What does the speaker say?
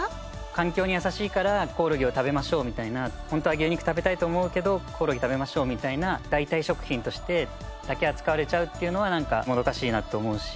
環境に優しいからコオロギを食べましょうみたいな本当は牛肉食べたいと思うけどコオロギ食べましょうみたいな代替食品としてだけ扱われちゃうっていうのはなんかもどかしいなって思うし。